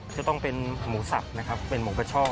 จะต้องเป็นหมูสับนะครับเป็นหมูกระช่อ